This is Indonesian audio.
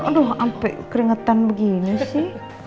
aduh sampai keringetan begini sih